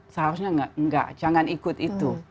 seharusnya enggak jangan ikut itu